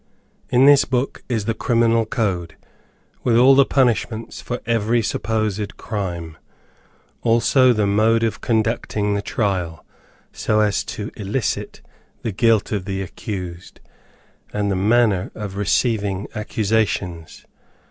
"In this book is the criminal code, with all the punishments for every supposed crime; also the mode of conducting the trial, so as to elicit the guilt of the accused; and the manner of receiving accusations.